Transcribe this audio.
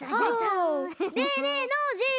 ねえねえノージー。